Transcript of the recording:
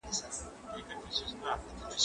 هغه څوک چي درس لولي بريالی کيږي